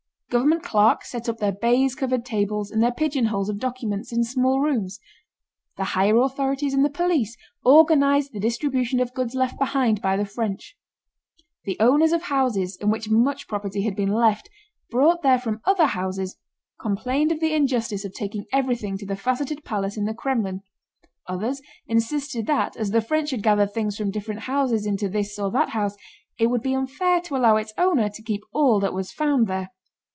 Government clerks set up their baize covered tables and their pigeonholes of documents in small rooms. The higher authorities and the police organized the distribution of goods left behind by the French. The owners of houses in which much property had been left, brought there from other houses, complained of the injustice of taking everything to the Faceted Palace in the Krémlin; others insisted that as the French had gathered things from different houses into this or that house, it would be unfair to allow its owner to keep all that was found there.